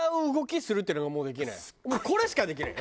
これしかできないよ。